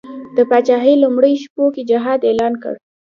د پاچهي لومړیو شپو کې جهاد اعلان کړ.